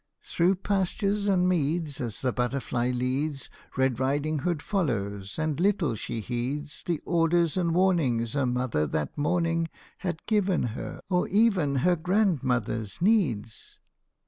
] Through pastures and meads as the butterfly leads, Red Riding Hood follows, and little she heeds The orders and warning her mother that morning Had given her, or even her grandmother's needs.